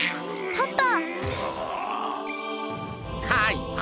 パパ。